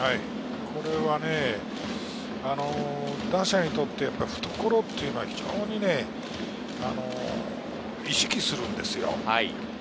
これはね、打者にとって懐というのは非常に意識するんですよ。